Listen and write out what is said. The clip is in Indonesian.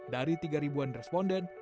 dari tiga ribuan responden